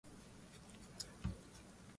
Tarakilishi yangu imeharibika